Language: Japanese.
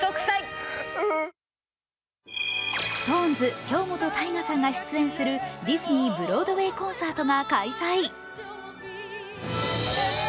ＳｉｘＴＯＮＥＳ・京本大我さんが出演するディズニー・ブロードウェイコンサートが開催。